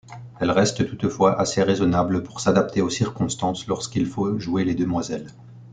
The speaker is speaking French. Elle reste toutefois assez raisonnable pour s'adapter aux circonstances lorsqu'il faut jouer les demoiselles.